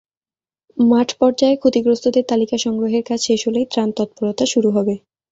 মাঠপর্যায়ে ক্ষতিগ্রস্তদের তালিকা সংগ্রহের কাজ শেষ হলেই ত্রাণ তৎপরতা শুরু হবে।